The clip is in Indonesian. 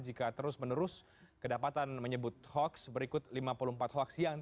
jika terus menerus kedapatan menyebut hoax berikut lima puluh empat hoax yang dideteksi oleh kemenkom info